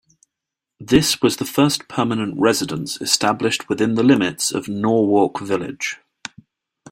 This was the first permanent residence established within the limits of Norwalk Village.